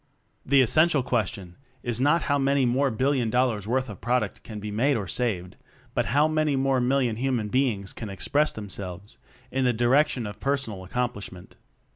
The essential question is not how many more billion dollars worth of product can be made or saved, but how many more million human beings can express themselves in the direction of personal accomplish ment.